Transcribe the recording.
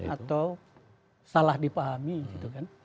atau salah dipahami gitu kan